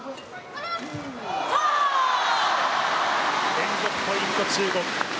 連続ポイント、中国。